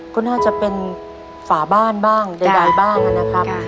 ก็น่าจะเป็นฝาบ้านบ้างใดบ้างนะครับ